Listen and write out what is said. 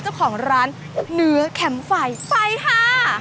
เจ้าของร้านเนื้อแคมป์ไฟไปค่ะ